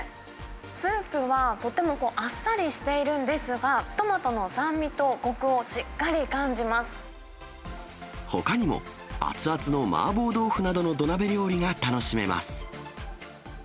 スープはとてもこう、あっさりしているんですが、トマトの酸味とほかにも、熱々の麻婆豆腐などの土鍋料理が楽しめます。